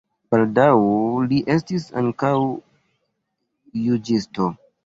Baldaŭ li estis ankaŭ juĝisto.